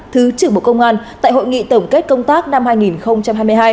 thứ trưởng bộ công an tại hội nghị tổng kết công tác năm hai nghìn hai mươi hai